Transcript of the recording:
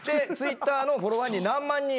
でＴｗｉｔｔｅｒのフォロワーに何万人います。